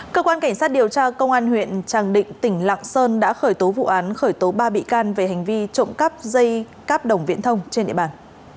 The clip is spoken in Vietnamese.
cơ quan cảnh sát điều tra công an huyện tràng định tỉnh lạng sơn đã khởi tố vụ án khởi tố ba bị can về hành vi trộm cắp dây cáp đồng viễn thông trên địa bàn